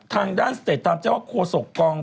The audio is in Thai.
ทางด้านเสร็จทางเจ้าโครสกอง